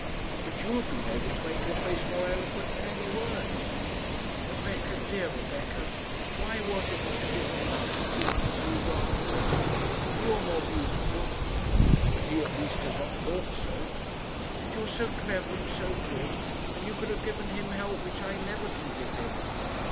"But you have been able to make your face more eloquent than any words." "Rebecca, dear Rebecca! Why was it that he did not love such a one as you rather than me? You are more beautiful." "But he at least has not thought so." "And you are so clever and so good; and you could have given him help which I never can give him."